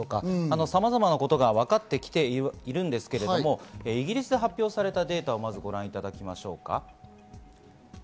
さまざまなことがわかっているんですけれども、イギリスで発表されたデータをご覧いただきましょう。